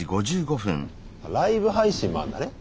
ライブ配信もあんだね。